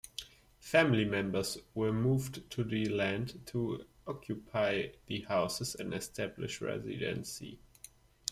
Family members were moved to the land to occupy the houses and establish residency.